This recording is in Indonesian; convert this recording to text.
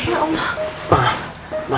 saya akan membuatmu yang napas